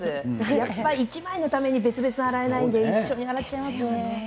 やっぱり１枚のために別々に洗えないので一緒にやっちゃいますよね。